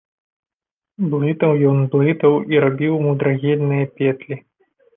Блытаў ён, блытаў і рабіў мудрагельныя петлі.